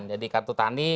jadi kartu tani